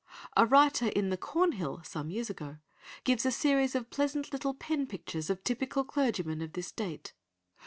A writer in the Cornhill some years ago gives a series of pleasant little pen pictures of typical clergymen of this date.